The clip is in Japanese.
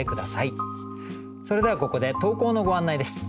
それではここで投稿のご案内です。